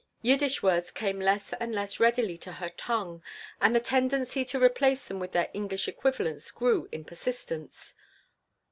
Yiddish words came less and less readily to her tongue, and the tendency to replace them with their English equivalents grew in persistence.